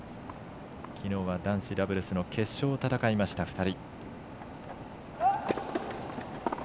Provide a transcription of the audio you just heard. きのうは男子ダブルスの決勝を戦いました２人。